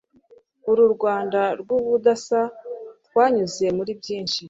uru Rwanda rw’ubudasa twanyuze muri byinshi